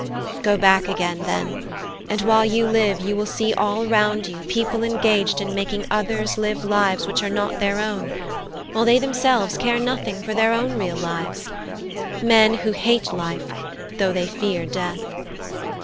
Go back again, then, and while you live you will see all round you people engaged in making others live lives which are not their own, while they themselves care nothing for their own real lives men who hate life though they fear death.